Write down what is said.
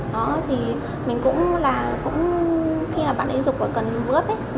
đó thì mình cũng là cũng khi là bạn ấy rụt vào cần bước ấy